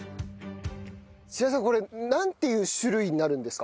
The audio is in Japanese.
白井さんこれなんていう種類になるんですか？